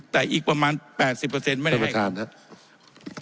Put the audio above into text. แต่อีกประมาณแปดสิบเปอร์เซ็นต์ไม่ได้ให้เดี๋ยวประธานฮะ